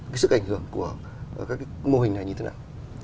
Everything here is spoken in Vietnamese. cái sức ảnh hưởng của các cái mô hình này như thế nào